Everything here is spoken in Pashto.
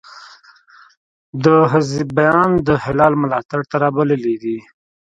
ده حزبیان د هلال ملاتړ ته را بللي دي.